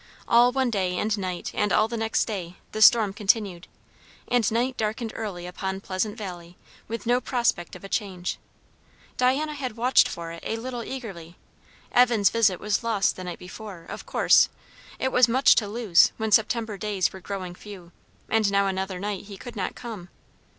All one day and night and all the next day, the storm continued; and night darkened early upon Pleasant Valley with no prospect of a change. Diana had watched for it a little eagerly; Evan's visit was lost the night before, of course; it was much to lose, when September days were growing few; and now another night he could not come.